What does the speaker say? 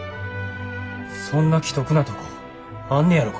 そんな奇特なとこあんねやろか。